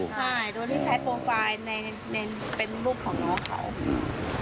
ใช่โดยที่ใช้โฟล์ไฟล์เป็นรูปของน้องเขา